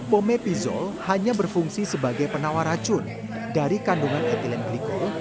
pomefizol hanya berfungsi sebagai penawar racun dari kandungan etilen glikol